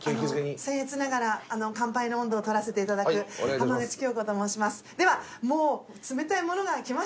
せんえつながら乾杯の音頭を取らせていただく浜口京子と申します。